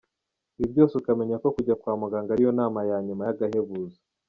Ibi byose ukamenya ko kujya kwa muganga ariyo nama ya nyuma y´agahebuzo.